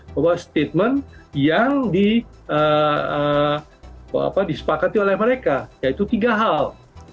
bahwa statement yang disepakati oleh mereka yaitu tiga hal